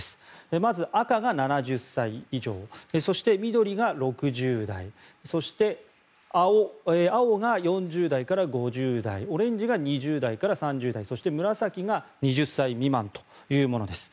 まず、赤が７０歳以上そして、緑が６０代そして青が４０代から５０代オレンジが２０代から３０代そして、紫が２０歳未満というものです。